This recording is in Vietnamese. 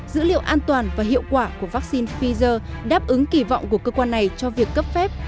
dữ liệu an toàn và hiệu quả của vaccine pfizer đáp ứng kỳ vọng của cơ quan này cho việc cấp phép